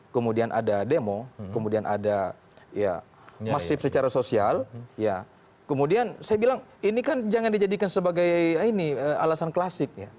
kemudian ada demo kemudian ada ya masif secara sosial kemudian saya bilang ini kan jangan dijadikan sebagai alasan klasik ya